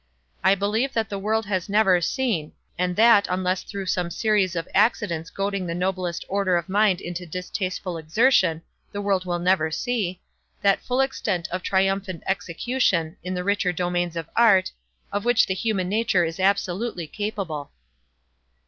I believe that the world has never seen—and that, unless through some series of accidents goading the noblest order of mind into distasteful exertion, the world will never see—that full extent of triumphant execution, in the richer domains of art, of which the human nature is absolutely capable.